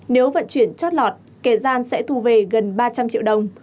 nếu vận chuyển chót lọt kẻ gian sẽ thu về gần ba trăm linh triệu đồng